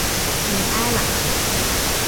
米埃朗。